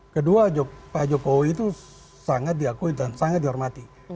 kedua pak jokowi itu sangat diakui dan sangat dihormati